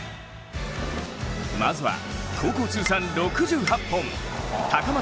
まずは高校通算６８本高松